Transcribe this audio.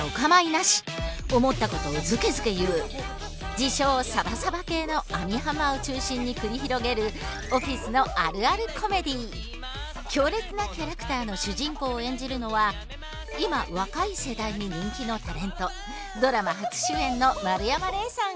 「自称サバサバ系」の網浜を中心に繰り広げる強烈なキャラクターの主人公を演じるのは今若い世代に人気のタレントドラマ初主演のいみふめい。